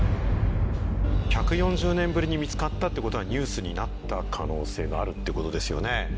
１４０年ぶりに見つかったってことはニュースになった可能性があるってことですよね？